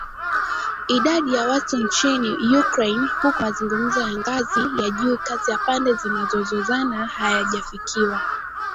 idadi ya watu nchini Ukraine huku mazungumzo ya ngazi ya juu kati ya pande zinazozozana hayajafanikiwa